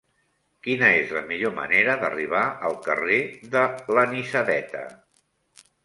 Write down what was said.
Quina és la millor manera d'arribar al carrer de l'Anisadeta?